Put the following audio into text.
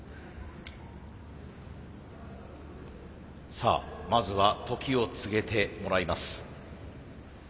さあまずは時を告げてもらいます。